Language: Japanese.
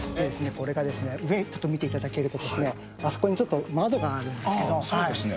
これが、上、ちょっと見ていただけると、あそこにちょっと窓があるんですそうですね。